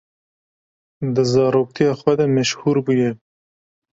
Di zaroktiya xwe de meşhûr bûye.